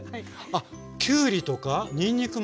あっきゅうりとかにんにくも？